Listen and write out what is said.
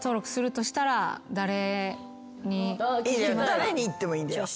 誰にいってもいいんだよ。